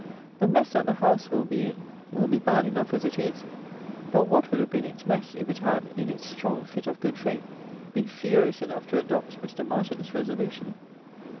The mess that "the House," will be in will be bad enough as it is; but what would have been its mess, if it had, in its strong fit of "good faith," been furious enough to adopt Mr. Martin's "resolution"!